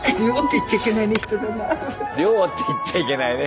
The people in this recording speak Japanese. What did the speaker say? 量って言っちゃいけないね。